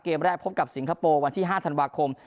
เกมแรกพบกับสิงคโปร์วันที่๕ธันวาคม